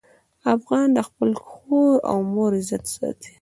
افغان د خپل خور او مور عزت ساتي.